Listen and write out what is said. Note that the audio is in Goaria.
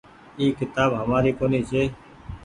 اي ڪيتآب همآري ڪونيٚ ڇي